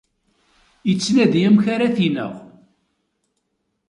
Ittnadi amek ara t-ineɣ.